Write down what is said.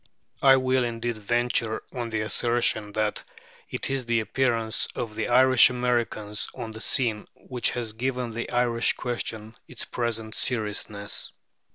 I will indeed venture on the assertion that it is the appearance of the Irish Americans on the scene which has given the Irish question its present seriousness.